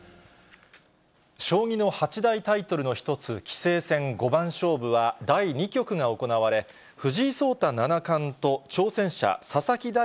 将棋の八大タイトルの一つ、棋聖戦五番勝負は第２局が行われ、藤井聡太七冠と挑戦者、佐々木だ